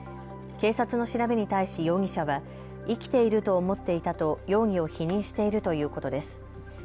警察の調べに対し、容疑者は生きていると思っていたと容疑を否認しているということです。